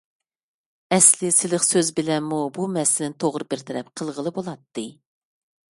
ئەسلى سىلىق سۆز بىلەنمۇ بۇ مەسىلىنى توغرا بىر تەرەپ قىلغىلى بولاتتى.